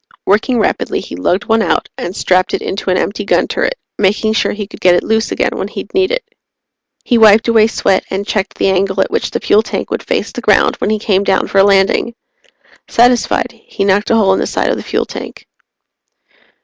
Working rapidly, he lugged one out and strapped it into an empty gun turret, making sure he could get it loose again when he'd need it. He wiped away sweat and checked the angle at which the fuel tank would face the ground when he came down for a landing. Satisfied, he knocked a hole in the side of the fuel tank.